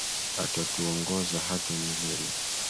Atatuongoza hata milele